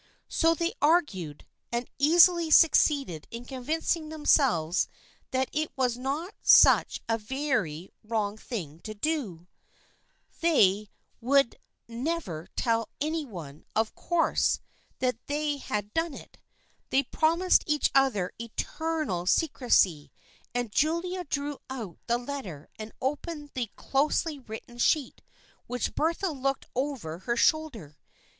So they argued, and easily succeeded in convincing themselves that it was not such a very wrong thing to do. They THE FRIENDSHIP OF ANNE 105 would never tell any one, of course, that they had done it. They promised each other eternal secrecy, and Julia drew out the letter and opened the closely written sheet, while Bertha looked over her shoulder.